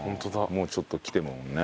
もうちょっときてるもんね。